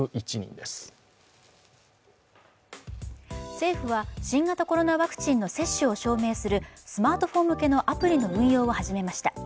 政府は新型コロナワクチンの接種を証明するスマートフォン向けのアプリの運用を始めました。